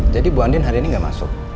jadi bu andin hari ini gak masuk